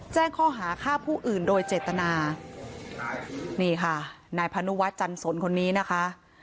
แจ้งข้อหาฆ่าผู้อื่นโดยเจตนานี่ค่ะนายพานุวัฒน์จันสนคนนี้นะคะ